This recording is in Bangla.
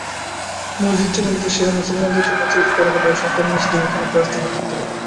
মসজিদটি মূলত শিয়া মুসলমানদের জন্য তৈরি করা হলেও সকল মুসলিম এখানে প্রার্থনা করতে পারে।